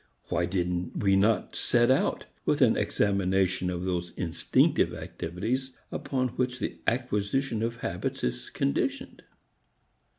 Why did we not set out with an examination of those instinctive activities upon which the acquisition of habits is conditioned?